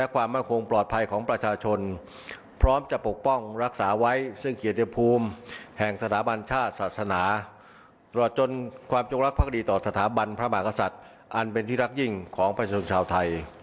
ของประชาชนชาวไทย